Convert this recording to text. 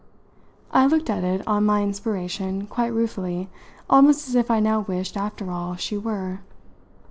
I looked at it, on my inspiration, quite ruefully almost as if I now wished, after all, she were.